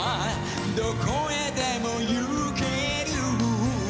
「どこへでも行ける」